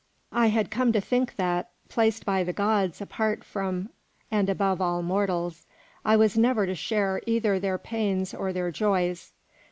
I had come to think that, placed by the gods apart from and above all mortals, I was never to share either their pains or their joys.